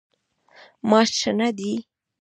ماش شنه دي.